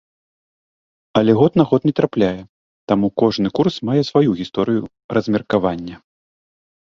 Але год на год не трапляе, таму кожны курс мае сваю гісторыю размеркавання.